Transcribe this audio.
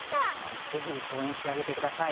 ぜひ応援してあげて下さい。